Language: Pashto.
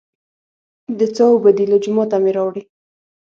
د څاه اوبه دي، له جوماته مې راوړې.